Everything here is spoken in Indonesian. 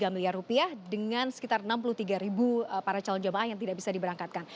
tiga miliar rupiah dengan sekitar enam puluh tiga ribu para calon jemaah yang tidak bisa diberangkatkan